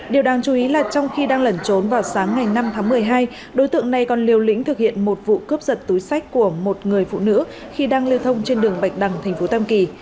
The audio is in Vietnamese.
điều đáng chú ý là trong khi đang lẩn trốn vào sáng ngày năm tháng một mươi hai đối tượng này còn liều lĩnh thực hiện một vụ cướp giật túi sách của một người phụ nữ khi đang lưu thông trên đường bạch đằng tp tam kỳ